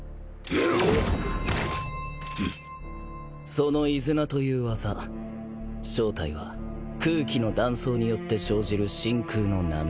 その飯綱という技正体は空気の断層によって生じる真空の波。